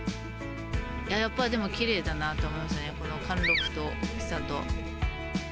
やっぱ、でもきれいだなと思いますよね、この貫禄と大きさと。